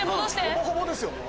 ほぼほぼですよもう。